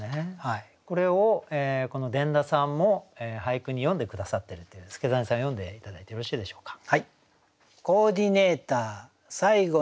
これをこの伝田さんも俳句に詠んで下さってるっていう祐真さん読んで頂いてよろしいでしょうか。